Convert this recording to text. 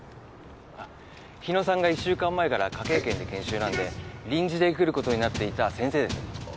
日野さんが１週間前から科警研で研修なんで臨時で来ることになっていた先生です。